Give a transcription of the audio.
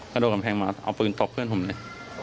กระโดดกำแพงมาเอาปืนตบเพื่อนผมเลย